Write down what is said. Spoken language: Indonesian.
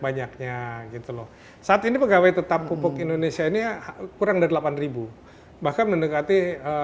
banyaknya gitu loh saat ini pegawai tetap pupuk indonesia ini kurang dari delapan ribu bahkan mendekati